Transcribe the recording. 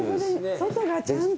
外がちゃんと。